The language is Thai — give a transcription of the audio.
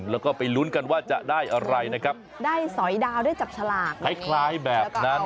แล้วก็ไปลุ้นกันว่าจะได้อะไรนะครับได้สอยดาวได้จับฉลากคล้ายแบบนั้น